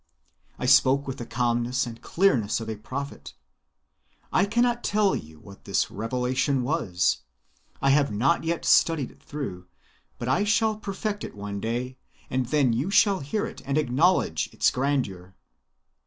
I spoke with the calmness and clearness of a prophet. I cannot tell you what this revelation was. I have not yet studied it enough. But I shall perfect it one day, and then you shall hear it and acknowledge its grandeur."